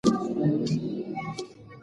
که د ښځو مهارتونه وستایو نو تولید نه کمیږي.